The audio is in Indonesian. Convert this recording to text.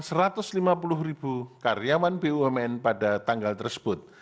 seratus lima puluh ribu karyawan bumn pada tanggal tersebut